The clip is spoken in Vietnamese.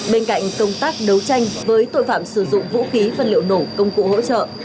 bên cạnh công tác đấu tranh với tội phạm sử dụng vũ khí vật liệu nổ công cụ hỗ trợ